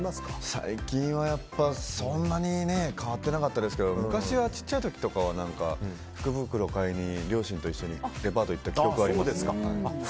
最近はそんなに買ってなかったですけど昔は小さい時とかは福袋を買いに両親と一緒にデパートに行った記憶はありますね。